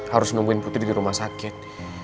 harus nungguin putri di rumah sakit